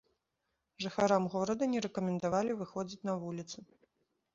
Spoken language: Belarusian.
Жыхарам горада не рэкамендавалі выходзіць на вуліцы.